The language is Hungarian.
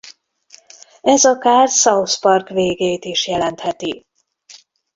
Ez akár South Park végét is jelentheti.